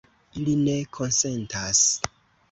Ili ne konsentas.